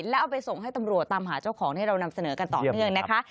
แล้วเอาไปส่งให้ตำรวจตามหาเจ้าของที่เรานำเสนอกันต่อเนื่องนะคะ